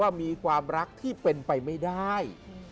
มีความรักที่เป็นไปไม่ได้